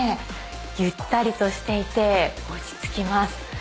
ゆったりとしていて落ち着きます。